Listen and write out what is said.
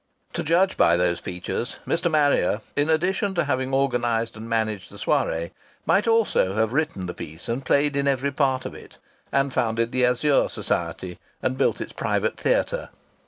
To judge by those features, Mr. Marrier, in addition to having organized and managed the soirée, might also have written the piece and played every part in it, and founded the Azure Society and built its private theatre.